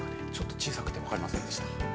小さくて分かりませんでした。